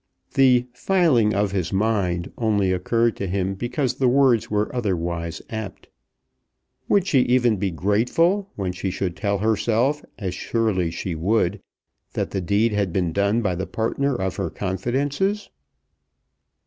The "filing of his mind" only occurred to him because the words were otherwise apt. Would she even be grateful when she should tell herself, as she surely would do, that the deed had been done by the partner of her confidences?